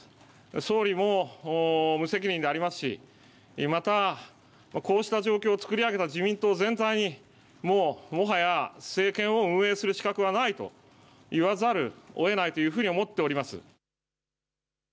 総理も無責任でありますし、またこうした状況を作り上げた自民党全体にもはや政権を運営する資格はないと言わざるをえないというふうに思っております。